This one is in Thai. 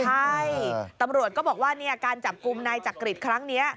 ใช่ตำรวจก็บอกว่าการจับกลุ่มนายจักริตครั้งนี้